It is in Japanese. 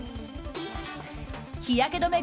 日焼け止め